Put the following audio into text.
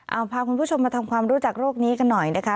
เอาพาคุณผู้ชมมาทำความรู้จักโรคนี้กันหน่อยนะคะ